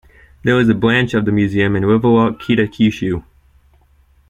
There is a branch of the museum in Riverwalk Kitakyushu.